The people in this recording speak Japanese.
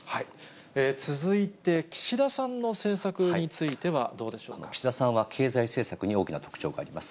続いて、岸田さんの政策につこの岸田さんは経済政策に大きな特徴があります。